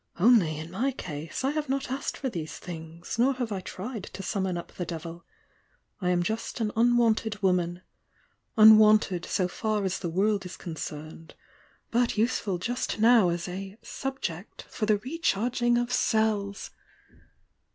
— only, in my case, I have not asked for these things, nor have I tried to summon up the devil. I am just an un wanted woman, — unwanted so far as the world is concerned, but useful just now as a 'subject' for the recharging of cells!"